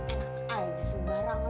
enak aja sembarangan